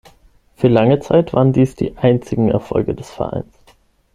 Für lange Zeit waren dies die einzigen Erfolge des Vereins.